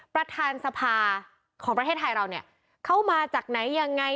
ประธานสภาของประเทศไทยเราเนี่ยเข้ามาจากไหนยังไง